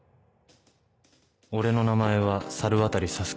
俺の名前は猿渡佐助